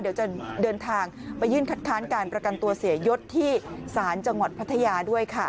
เดี๋ยวจะเดินทางไปยื่นคัดค้านการประกันตัวเสียยศที่ศาลจังหวัดพัทยาด้วยค่ะ